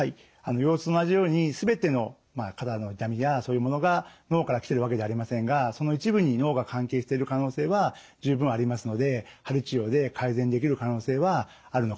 腰痛と同じように全ての肩の痛みやそういうものが脳から来てるわけじゃありませんがその一部に脳が関係している可能性は十分ありますので鍼治療で改善できる可能性はあるのかなというふうに思います。